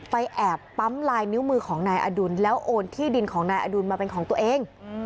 แอบปั๊มลายนิ้วมือของนายอดุลแล้วโอนที่ดินของนายอดุลมาเป็นของตัวเอง